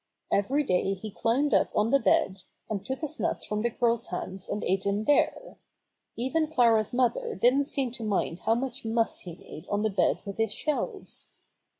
Every day he climbed up on the bed, and took his nuts from the girl's hands and ate them there. Even Clara's mother 46 Bobby Gray Squirrel's Adventures didn't seem to mind how much muss he made on the bed with his shells.